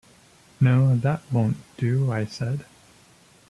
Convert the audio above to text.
‘No, that won’t do,’ I said.